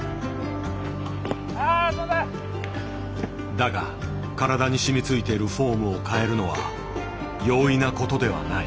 だが体に染みついているフォームを変えるのは容易なことではない。